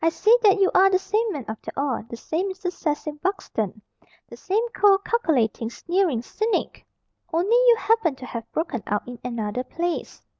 "I see that you are the same man after all. The same Mr. Cecil Buxton. The same cold, calculating, sneering cynic. Only you happen to have broken out in another place.